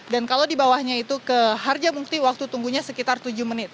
dan kalau di bawahnya itu ke harja bungkti waktu tunggunya sekitar tujuh menit